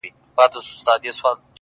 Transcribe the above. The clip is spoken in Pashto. دغه سپينه سپوږمۍ-